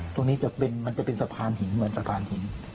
ตรงนี้จะเป็นมันจะเป็นสะพานหินเหมือนสะพานหิน